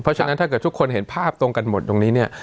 เพราะฉะนั้นถ้าเกิดทุกคนเห็นภาพตรงกันหมดตรงนี้เนี่ย